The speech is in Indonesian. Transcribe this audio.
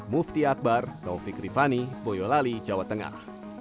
mufti akbar taufik rifani boyolali jawa tengah